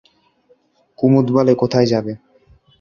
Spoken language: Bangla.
কুমুদ বলে, কোথায় যাবে?